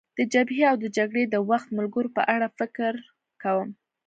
د جبهې او د جګړې د وخت ملګرو په اړه فکر کوم.